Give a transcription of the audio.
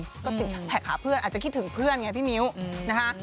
ก็ติดแท็กหาเพื่อนอาจจะคิดถึงเพื่อนไงพี่มิ้วนะคะ